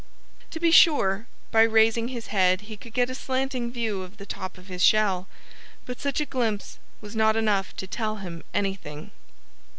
To be sure, by raising his head he could get a slanting view of the top of his shell. But such a glimpse was not enough to tell him anything.